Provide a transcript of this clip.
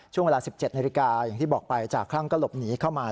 ช่วงเวลา๑๗นาฬิกาอย่างที่บอกไปจากคลั่งก็หลบหนีเข้ามา